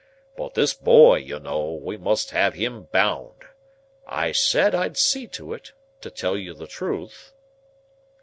But this boy, you know; we must have him bound. I said I'd see to it—to tell you the truth."